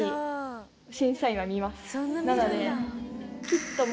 なので。